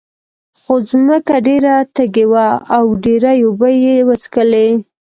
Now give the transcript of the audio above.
خو ځمکه ډېره تږې وه او ډېرې اوبه یې وڅکلې.